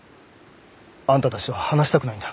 あんたたちとは話したくないんだ。